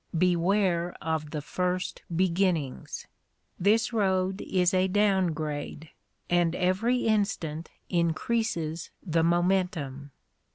Beware of the first beginnings! This road is a down grade, and every instant increases the momentum.